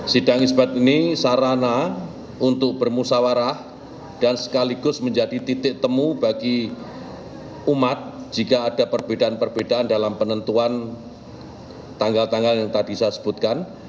sidang isbat ini sarana untuk bermusawarah dan sekaligus menjadi titik temu bagi umat jika ada perbedaan perbedaan dalam penentuan tanggal tanggal yang tadi saya sebutkan